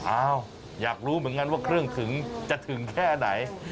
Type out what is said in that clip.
อ้าวอยากรู้เหมือนกันว่าเครื่องถึงจะถึงแค่ไหน